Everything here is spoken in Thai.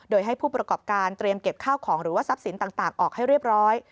โดยให้ผู้ประกอบการเตรียมเก็บข้าวของหรือว่าทรัพย์สินต่างออกให้เรียบร้อย